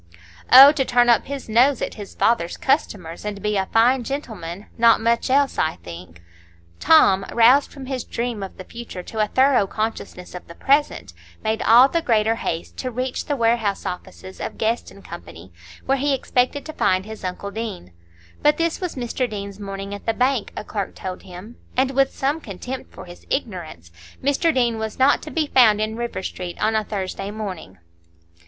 "Oh! to turn up his nose at his father's customers, and be a fine gentleman,—not much else, I think." Tom, roused from his dream of the future to a thorough consciousness of the present, made all the greater haste to reach the warehouse offices of Guest & Co., where he expected to find his uncle Deane. But this was Mr Deane's morning at the bank, a clerk told him, and with some contempt for his ignorance; Mr Deane was not to be found in River Street on a Thursday morning.